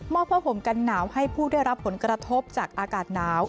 ผ้าห่มกันหนาวให้ผู้ได้รับผลกระทบจากอากาศหนาว